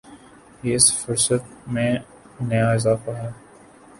یہ اس فہرست میں نیا اضافہ ہے۔